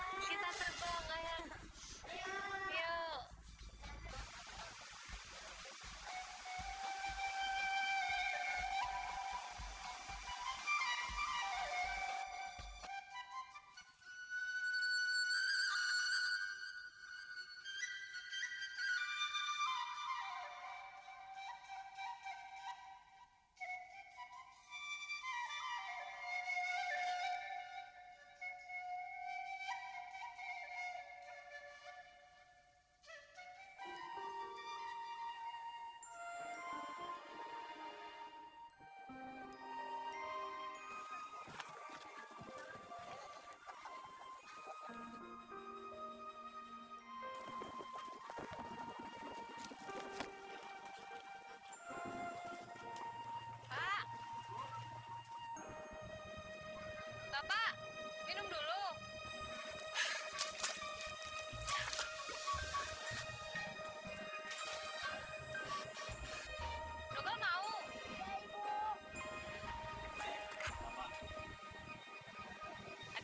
bilah lagi kata pelajaran beliwayat